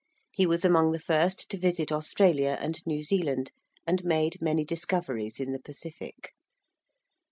He was among the first to visit Australia and New Zealand, and made many discoveries in the Pacific.